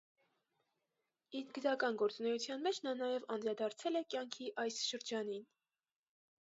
Իր գրական գործունեության մեջ նա նաև անդրադարձել է կյանքի այս շրջանին։